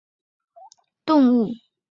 锯脚泥蟹为沙蟹科泥蟹属的动物。